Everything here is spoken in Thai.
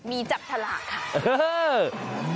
มีจับฉลากค่ะ